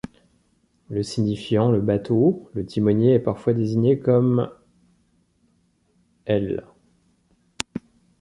Le signifiant le bateau, le timonier est parfois désigné comme l’.